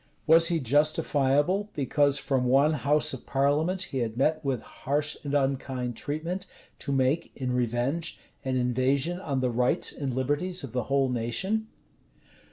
Was he justifiable, because from one house of parliament he had met with harsh and unkind treatment, to make, in revenge, an invasion on the rights and liberties of the whole nation?